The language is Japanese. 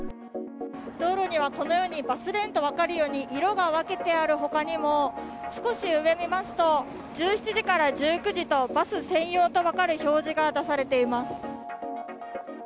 道路にはこのように、バスレーンと分かるように色が分けてあるほかにも、少し上を見ますと、１７時から１９時と、バス専用と分かる表示が出されています。